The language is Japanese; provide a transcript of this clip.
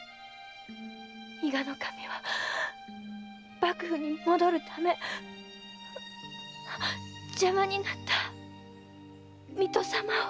伊賀守は幕府に戻るため邪魔になった水戸様を。